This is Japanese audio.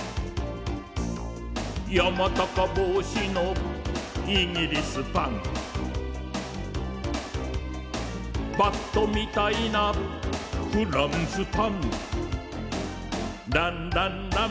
「やまたかぼうしのイギリスパン」「バットみたいなフランスパン」「ランランラン」